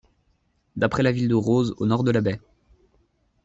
D'après la ville de Roses, au nord de la baie.